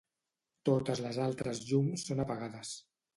Totes les altres llums són apagades.